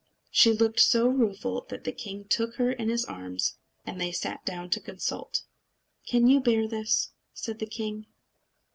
She looked so rueful that the king took her in his arms; and they sat down to consult. "Can you bear this?" said the king.